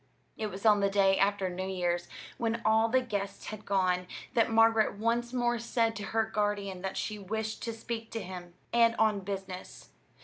It was on the day after New Year's, when all the guests had gone, that Margaret once more said to her guardian that she wished to speak to him, and on business.